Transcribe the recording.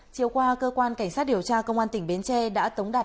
chiều qua cơ quan cảnh sát điều tra công an tỉnh bến tre đã tống đạt